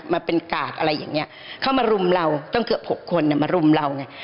มาเป็นกาดอะไรอย่างนี้เข้ามารุมเราตั้งเกือบ๖คนมารุมเราไง